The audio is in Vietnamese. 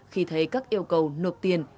khi thấy các yêu cầu nộp tiền